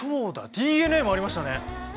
ＤＮＡもありましたね。